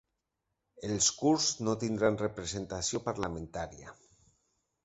Els kurds no tindran representació parlamentària